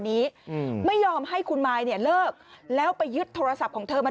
นี้อืมไม่ยอมให้คุณมายเนี่ยเลิกแล้วไปยึดโทรศัพท์ของเธอมา